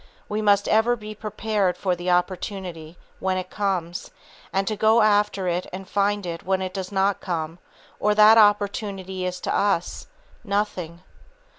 We must ever be prepared for the opportunity when it comes, and to go after it and find it when it does not come, or that opportunity is to us, nothing.